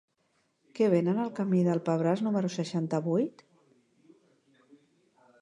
Què venen al camí del Pebràs número seixanta-vuit?